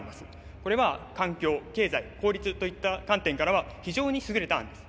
これは環境経済効率といった観点からは非常に優れた案です。